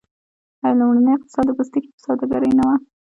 آیا لومړنی اقتصاد د پوستکي په سوداګرۍ نه و؟